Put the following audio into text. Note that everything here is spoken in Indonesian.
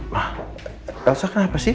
ma elsa kenapa sih